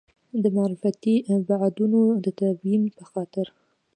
د معرفتي بعدونو د تبیین په خاطر.